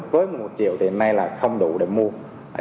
với một triệu thì hiện nay là không đủ để mua